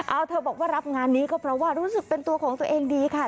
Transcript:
เอาเธอบอกว่ารับงานนี้ก็เพราะว่ารู้สึกเป็นตัวของตัวเองดีค่ะ